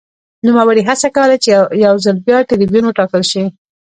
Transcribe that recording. نوموړي هڅه کوله یو ځل بیا ټربیون وټاکل شي